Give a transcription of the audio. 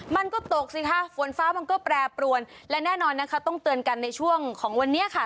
มันก็ตกสิคะฝนฟ้ามันก็แปรปรวนและแน่นอนนะคะต้องเตือนกันในช่วงของวันนี้ค่ะ